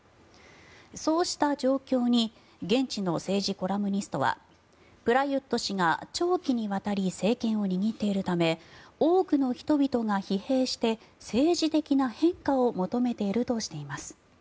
そうした状況に現地の政治コラムニストはプラユット氏が長期にわたり政権を握っているため多くの人々が疲弊して政治的な変化を求めているとしています。